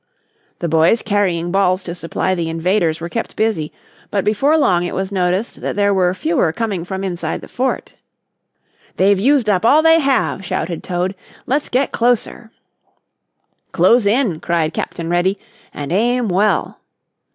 The boys carrying balls to supply the invaders were kept busy, but before long it was noticed that there were fewer coming from inside the fort. "They've used up all they have," shouted Toad. "Let's get closer." "Close in," cried Captain Reddy, "and aim well!"